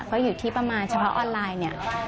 เพราะอยู่ที่ประมาณเฉพาะออนไลน์